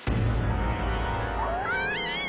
うわ！